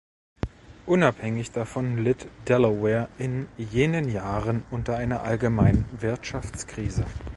Unabhängig davon litt Delaware in jenen Jahren unter einer allgemeinen Wirtschaftskrise.